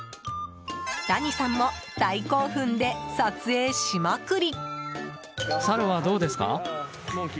ダニさんも大興奮で撮影しまくり！